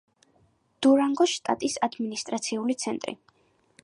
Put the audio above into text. დურანგოს შტატის ადმინისტრაციული ცენტრი.